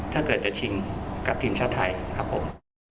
ถ้าเกิดจะชิงกับทีมชาติไทยครับผม